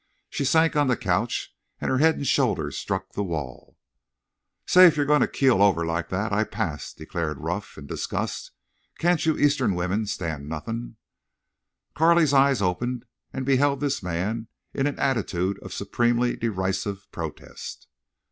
She sank on the couch and her head and shoulders struck the wall. "Say, if you're a goin' to keel over like thet I pass," declared Ruff, in disgust. "Can't you Eastern wimmin stand nothin?" Carley's eyes opened and beheld this man in an attitude of supremely derisive protest.